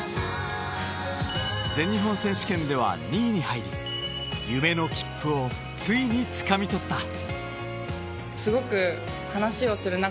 全日本選手権では２位に入り夢の切符をついにつかみ取った。